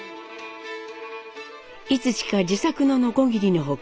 いつしか自作のノコギリの他